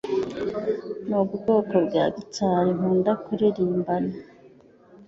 Nubwoko bwa gitari nkunda kuririmbana.